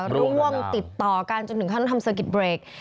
ร่วงติดต่อกันจนถึงขั้นต้องทำสะกิดเบรก